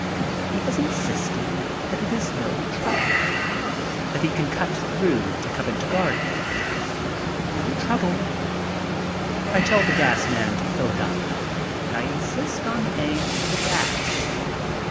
He has insisted that it is no trouble, that he can cut through to Covent Garden. No trouble. I tell the gas man to fill it up and I insist on paying for the gas.